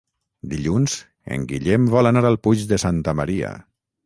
Dilluns en Guillem vol anar al Puig de Santa Maria.